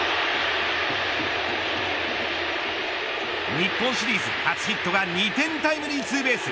日本シリーズ初ヒットが２点タイムリーツーベース。